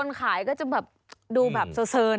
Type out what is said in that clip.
คนขายก็จะแบบดูแบบเซอหน่อยนะ